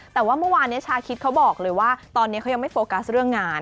แต่ว่าเมื่อวานนี้ชาคิดเขาบอกเลยว่าตอนนี้เขายังไม่โฟกัสเรื่องงาน